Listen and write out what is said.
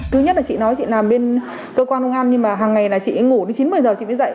thứ nhất là chị nói chị làm bên cơ quan công an nhưng mà hàng ngày là chị ngủ đến chín một mươi giờ chị mới dậy